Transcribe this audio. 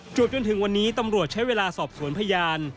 จนถึงวันนี้ตำรวจใช้เวลาสอบสวนพยาน